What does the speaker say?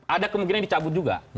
ada kemungkinan dicabut juga